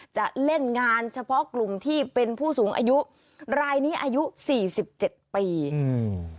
จะเล่นงานเฉพาะกลุ่มที่เป็นผู้สูงอายุรายนี้อายุสี่สิบเจ็ดปีอืม